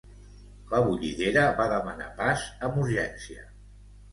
la bullidera va demanar pas amb urgència